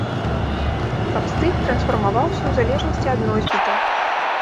Каб стыль трансфармаваўся у залежнасці ад носьбіта.